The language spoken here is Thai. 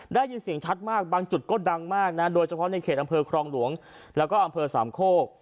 ได้ยินเสียงชัดมากบางจุดก็ดังมากนะโดยเฉพาะในเขตอำเภอครองหลวงแล้วก็อำเภอสามโคก